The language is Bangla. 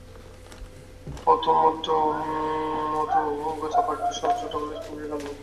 প্রথমটা গোঙানির মতো চাপা একটা স্বর, ছোটছেলের ফুঁপিয়ে কাঁদার মতো অনেকটা।